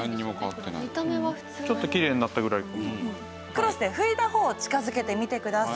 クロスで拭いた方を近づけてみてください。